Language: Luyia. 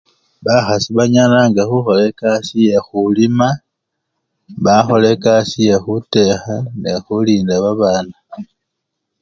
Bakhasi banyalanga khukhola ekasi yekhulima, bakhola ekasi yekhutekha nekhulinda babana .